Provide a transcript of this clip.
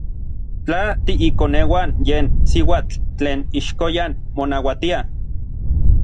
Tla tiikoneuan yen siuatl tlen ixkoyan monauatia.